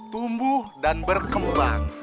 tumbuh dan berkembang